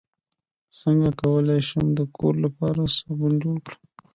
څنګه کولی شم د کور لپاره صابن جوړ کړم